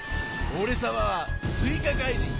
おれさまはすいかかいじん